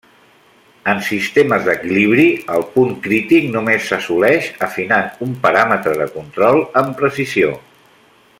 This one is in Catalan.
En sistemes d'equilibri, el punt crític només s'assoleix afinant un paràmetre de control amb precisió.